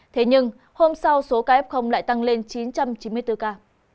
thế nhưng hôm sau số ca f lại tăng lên chín trăm chín mươi bốn ca